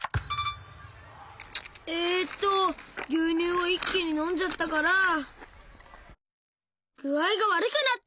えっとぎゅうにゅうをいっきにのんじゃったからぐあいがわるくなった！